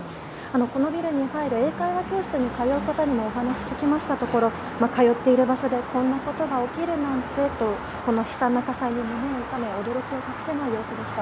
このビルに入る英会話教室に通う方にもお話を聞きましたところ通っている場所でこんなことが起きるなんてとこの悲惨な火災に胸を痛め驚きを隠せない様子でした。